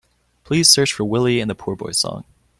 Please search for Willy and the Poor Boys song.